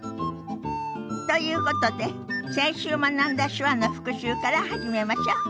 ということで先週学んだ手話の復習から始めましょう。